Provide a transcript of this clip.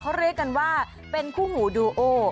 เขาเรียกกันว่าเป็นคู่หมูดูโอ